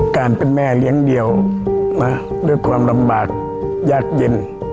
การเป็นแม่เลี้ยงเดี่ยวนะด้วยความลำบากยากเย็น